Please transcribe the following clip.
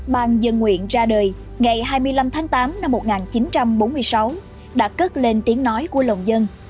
ban dân nguyện ra đời ngày hai mươi năm tháng tám năm một nghìn chín trăm bốn mươi sáu đã cất lên tiếng nói của lòng dân